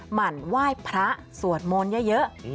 หั่นไหว้พระสวดมนต์เยอะ